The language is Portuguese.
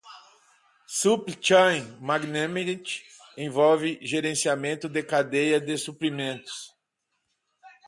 Supply Chain Management envolve gerenciamento da cadeia de suprimentos.